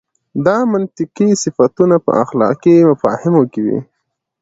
دا منطقي صفتونه په اخلاقي مفاهیمو کې وي.